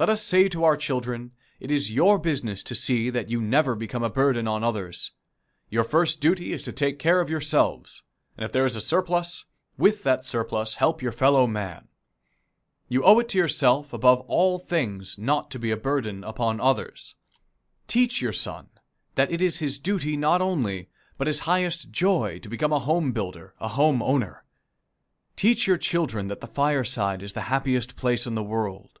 Let us say to our children: It is your business to see that you never become a burden on others. Your first duty is to take care of yourselves, and if there is a surplus, with that surplus help your fellow man. You owe it to yourself above all things not to be a burden upon others. Teach your son that it is his duty not only, but his highest joy, to become a home builder, a home owner. Teach your children that the fireside is the happiest place in this world.